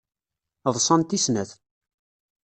Ḍsant i snat.